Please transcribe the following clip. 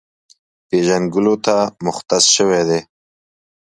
پېژنګلو ته مختص شوی دی،